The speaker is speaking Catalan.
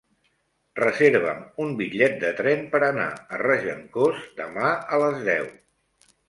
Reserva'm un bitllet de tren per anar a Regencós demà a les deu.